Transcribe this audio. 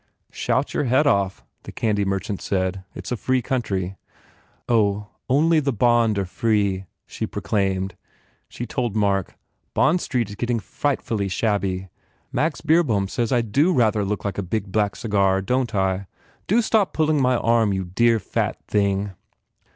"Shout your head off," the candy merchant said, "It s a free country." "Oh, only the bond are free," she proclaimed. She told Mark, "Bond Street s getting frightfully shabby. Max Beerbohm says I do look rather like a very big black cigar, don t I? Do stop pulling my arm, you dear, fat thing!"